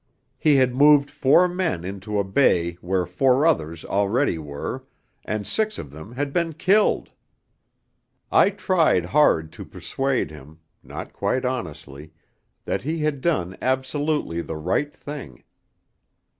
He had moved four men into a bay where four others already were, and six of them had been killed. I tried hard to persuade him, not quite honestly, that he had done absolutely the right thing.